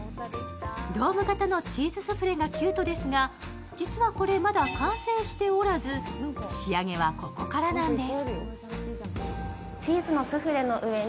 ドーム型のチーズスフレがキュートですが実はこれ、まだ完成しておらず、仕上げはここからなんです。